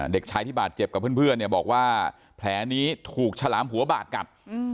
เด็กชายที่บาดเจ็บกับเพื่อนเนี่ยบอกว่าแผลนี้ถูกฉลามหัวบาดกัด